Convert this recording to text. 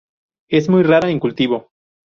Es muy rara en cultivo.